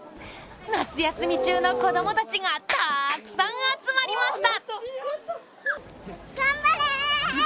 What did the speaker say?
夏休み中の子供たちがたくさん集まりました。